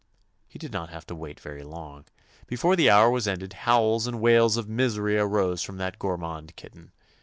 He did not have to wait very long. Before the hour was ended howls and wails of misery arose from that gormand kit ten.